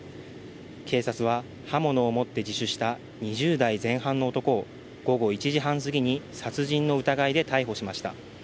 警察は、刃物を持って自首した２０代前半の男を午後１時半すぎに殺人の疑いで逮捕しました。